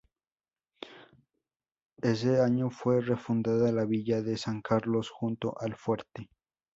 Ese año fue refundada la Villa de San Carlos, junto al fuerte.